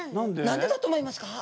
何でだと思いますか？